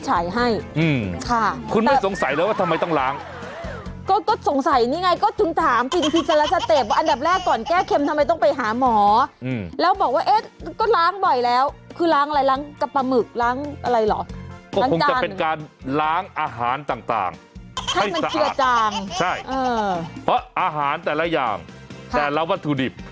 อาหารแต่ละอย่างแต่แล้ววัตถุดิบ